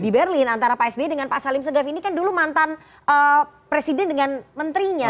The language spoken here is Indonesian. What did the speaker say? di berlin antara pak sby dengan pak salim segaf ini kan dulu mantan presiden dengan menterinya